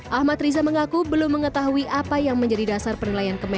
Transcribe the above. ahmad riza mengaku belum mengetahui apa yang menjadi dasar penilaian kementerian